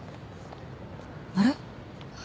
あれ？